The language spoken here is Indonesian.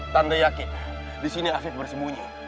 tante yakin disini afik bersembunyi